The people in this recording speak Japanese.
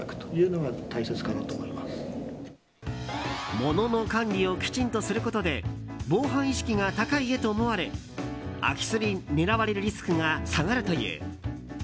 物の管理をきちんとすることで防犯意識が高い家と思われ空き巣に狙われるリスクが下がるという。